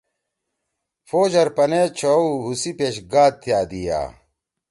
پھوج ارپنے چھؤو ہوسی پیش گا تأدیِا